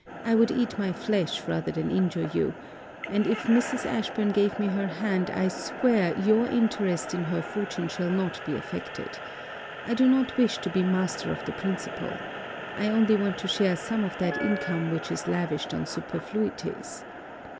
I would eat my flesh rather than injure you; and if Mrs. Ashburn give me her hand, I swear your interest in her fortune shall not be affected. I do not wish to be master of the principal. I only want to share some of that income which is lavished on superfluities.